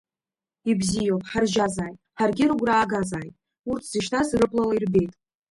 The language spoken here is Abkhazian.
Ибзиоуп, ҳаржьазааит, ҳаргьы рыгәра аагазааит, урҭ зышьҭаз рыблала ирбеит…